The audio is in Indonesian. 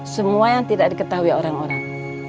semua yang tidak diketahui orang orang